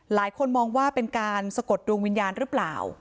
หลายคนมองว่าเป็นการสะกดดวงวิญญาณหรือเปล่า